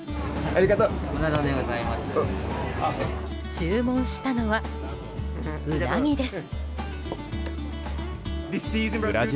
注文したのはウナギです。